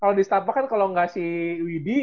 kalau di setanpah kan kalau gak si widy